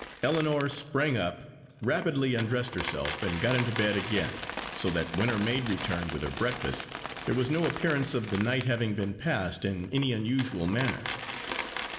Ellinor sprang up; rapidly undressed herself, and got into bed again, so that when her maid returned with her breakfast, there was no appearance of the night having been passed in any unusual manner.